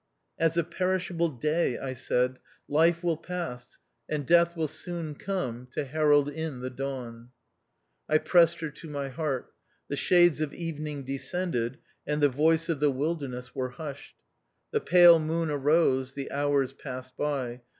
"As a perishable day," I said, "life will THE OUTCAST. 127 pass, and death will soon come to herald in the dawn." I pressed her to my heart. The shades of evening descended, and the voices of the wilderness were hushed. The pale moou arose ; the hours passed by.